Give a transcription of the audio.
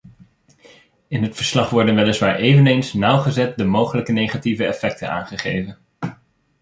In het verslag worden weliswaar eveneens nauwgezet de mogelijke negatieve effecten aangegeven.